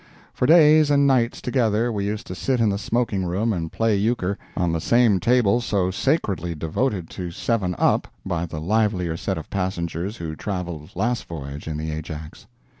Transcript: For days and nights together we used to sit in the smoking room and play euchre on the same table so sacredly devoted to "seven up" by the livelier set of passengers who traveled last voyage in the Ajax.